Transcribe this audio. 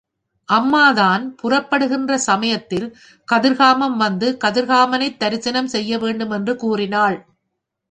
அம்மாதான் புறப்படுகிற சமயத்தில், கதிர்காமம் வந்து, கதிர்காமனை தரிசனம் செய்ய வேண்டும், என்று கூறினாள்.